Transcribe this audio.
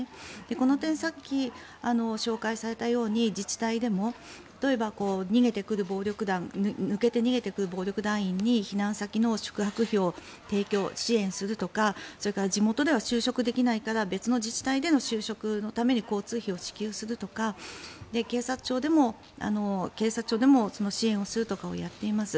この点、さっき紹介されたように自治体でも例えば抜けて逃げてくる暴力団員に避難先の宿泊費を提供・支援するとかそれから地元では就職できないから別の自治体での就職のために交通費を支給するとか警察庁でも支援をするとかをやっています。